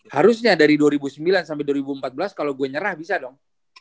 harusnya dari dua ribu sembilan sampai dua ribu empat belas kalau gue nyerah bisa dong